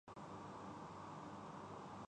دنیا میں آج کل کرپشن ایک موضوعی تصور بن چکی ہے۔